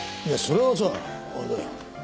いやそれはさあれだよ。